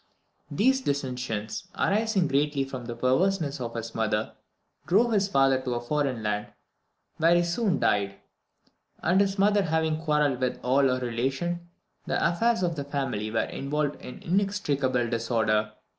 These dissensions, arising greatly from the perverseness of his mother, drove his father to a foreign land, where he soon died; and his mother having quarrelled with all her relations, the affairs of the family were involved in inextricable disorder.